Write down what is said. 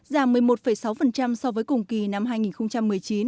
giảm một mươi một sáu so với cùng kỳ năm hai nghìn một mươi chín